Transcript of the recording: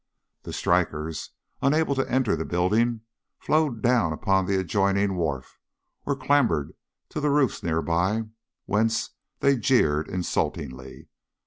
The strikers, unable to enter the building, flowed down upon the adjoining wharf, or clambered to the roofs nearby, whence they jeered insultingly.